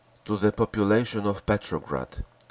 To the Population of Petrograd.